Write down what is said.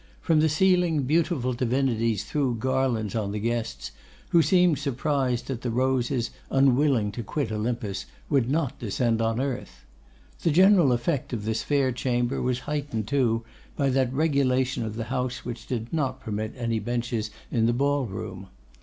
From the ceiling beautiful divinities threw garlands on the guests, who seemed surprised that the roses, unwilling to quit Olympus, would not descend on earth. The general effect of this fair chamber was heightened, too, by that regulation of the house which did not permit any benches in the ball room.